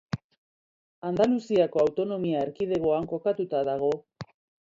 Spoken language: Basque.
Andaluziako autonomia erkidegoan kokatuta dago.